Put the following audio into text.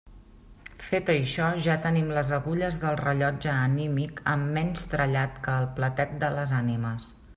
Fet això, ja tenim les agulles del rellotge anímic amb menys trellat que el platet de les ànimes.